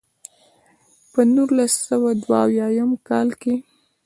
پۀ نولس سوه دوه اويا يم کال کښې